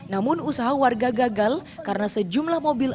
namun usaha warga gagal karena sejumlah mobil